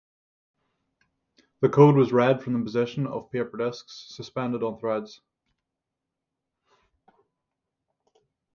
The code was read from the position of paper discs suspended on threads.